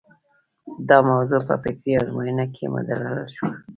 دا موضوع په فکري ازموینو کې مدلل شوه.